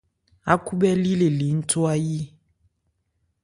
Ákhúbhɛ́lí le li nchwayí.